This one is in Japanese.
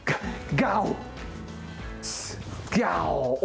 ガオ！